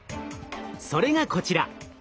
それがこちら。